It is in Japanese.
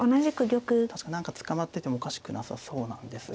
確かに何か捕まっててもおかしくなさそうなんですが。